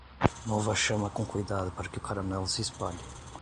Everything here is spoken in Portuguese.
Mova a chama com cuidado para que o caramelo se espalhe.